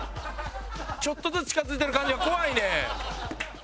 ちょっとずつ近づいてる感じが怖いねん。